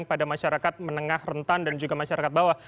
pada masyarakat menengah rentan dan juga masyarakat bawah